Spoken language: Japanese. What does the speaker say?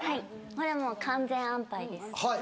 これはもう完全アンパイです